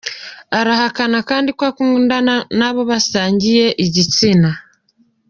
Arahakana kandi ko akundana n'abo basangiye igitsina.